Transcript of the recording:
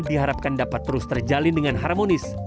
diharapkan dapat terus terjalin dengan harmonis